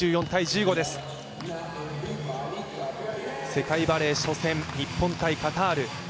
世界バレー初戦日本×カタール。